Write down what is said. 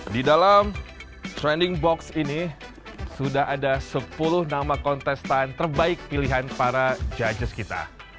di dalam training box ini sudah ada sepuluh nama kontestan terbaik pilihan para judgest kita